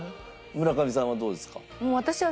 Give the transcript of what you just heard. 村上さんはどうですか？